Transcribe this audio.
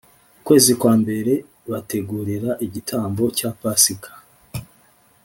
ukwezi kwa mbere bategurira igitambo cya pasika